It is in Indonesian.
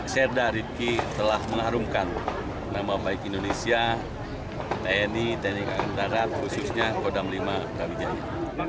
serda rivki telah mengharumkan nama baik indonesia tni tni kakarantara khususnya kodam v brawijaya